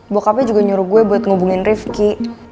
bokapnya juga nyuruh gue buat ngubungin rivki